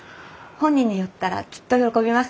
本人に言ったらきっと喜びます。